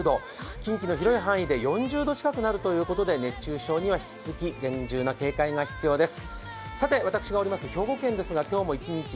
近畿の広い範囲で４０度近くになるということで熱中症には引き続き厳重な警戒が必要です。